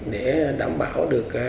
để đảm bảo